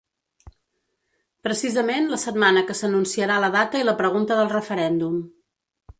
Precisament la setmana que s’anunciarà la data i la pregunta del referèndum.